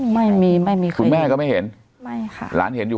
ไม่มีไม่มีค่ะคุณแม่ก็ไม่เห็นไม่ค่ะหลานเห็นอยู่